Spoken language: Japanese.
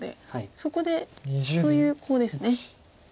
そこでそういうコウですね。